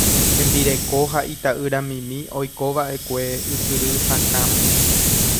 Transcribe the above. Hembireko ha ita'yramimi oikova'ekue Ysyry Sakãme.